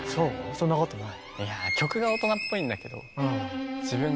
そんなことない？